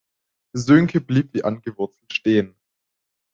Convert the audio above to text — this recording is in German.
Sönke blieb wie angewurzelt stehen.